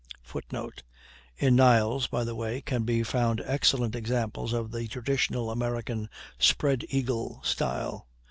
[Footnote: In Niles, by the way, can be found excellent examples of the traditional American "spread eagle" style.